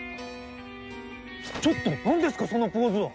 ちょっと何ですかそのポーズは！？